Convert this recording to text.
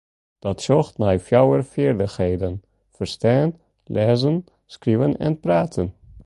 Dat sjocht nei fjouwer feardichheden: ferstean, lêzen, skriuwen en praten.